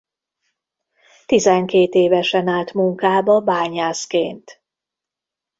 Tizenkét évesen állt munkába bányászként.